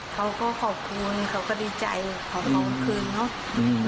เขาก็ขอบคุณเขาก็ดีใจเขาก็เอาคืนเนอะ